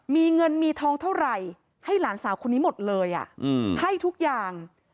มีเงินมีทองเท่าไหร่ให้หลานสาวคนนี้หมดเลยให้ทุกอย่าง